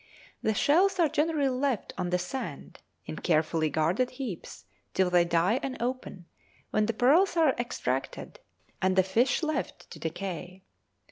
The shells are generally left on the sand in carefully guarded heaps till they die and open, when the pearls are extracted, and the fish left to decay.